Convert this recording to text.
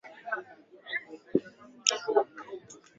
Washambuliaji walitumia mikuki na ngao